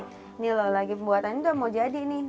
ini lho lagi pembuatan itu mau jadi nih